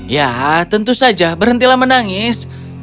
ya tentu saja berhentilah menangis